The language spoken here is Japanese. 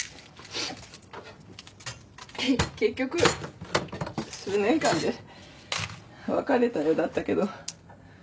結局数年間で別れたようだったけど。